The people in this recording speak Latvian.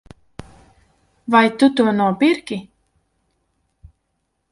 Vai tu to nopirki?